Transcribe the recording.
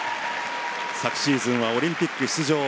昨シーズンはオリンピック出場。